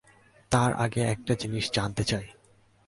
তার আগে একটি জিনিস জানতে চাই।